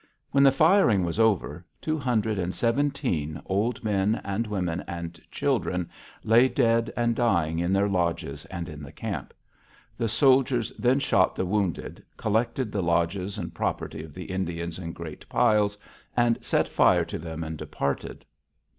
When the firing was over, two hundred and seventeen old men and women and children lay dead and dying in their lodges and in the camp. The soldiers then shot the wounded, collected the lodges and property of the Indians in great piles, and set fire to them and departed.